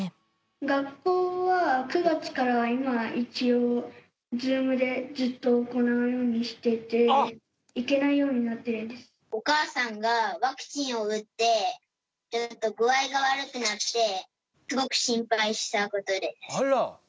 学校は、９月からは今、一応、Ｚｏｏｍでずっと行うようにしてて、行けないようになってお母さんがワクチンを打って、具合が悪くなって、すごく心配したことです。